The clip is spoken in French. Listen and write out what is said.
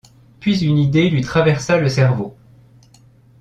Puis une idée lui traversa le cerveau.